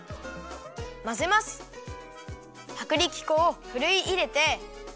まぜます！はくりきこをふるいいれて。